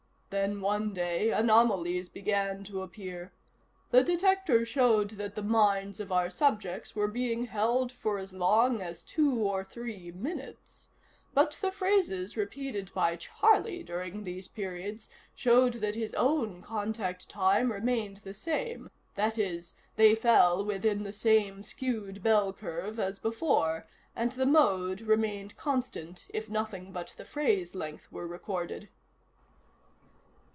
Then, one day, anomalies began to appear. The detector showed that the minds of our subjects were being held for as long as two or three minutes. But the phrases repeated by Charlie during these periods showed that his own contact time remained the same; that is, they fell within the same skewed bell curve as before, and the mode remained constant if nothing but the phrase length were recorded."